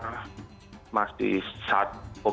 vaksinasi sampai sekarang sekitar